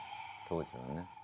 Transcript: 当時もね。